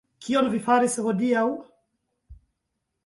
Kion vi faris hodiaŭ?